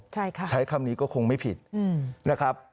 ใช่ค่ะใช้คำนี้ก็คงไม่ผิดนะครับ